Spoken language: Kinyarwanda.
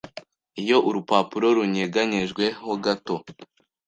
Iyo urupapuro runyeganyejwe ho gato